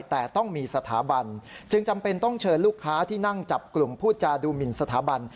แต่ต้องมีสถาบันจึงจำเป็นต้องเชิญลูกค้าที่นั่งจับกลุ่มพูดจาดูหมินสถาบัน